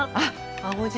青じ